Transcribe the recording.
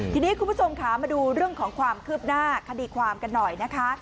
ทีนี้คุณผู้ชมค่ะมาดูเรื่องของความคืบหน้าคดีความกันหน่อยนะคะ